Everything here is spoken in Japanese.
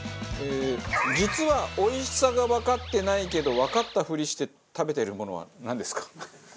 実はおいしさがわかってないけどわかったふりして食べてるものはなんですか？